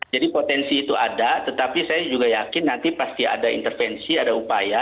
jadi potensi itu ada tetapi saya juga yakin nanti pasti ada intervensi ada upaya